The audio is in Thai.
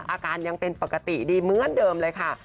อาการยังเป็นปกติดีเหมือนเดิมเลยค่ะ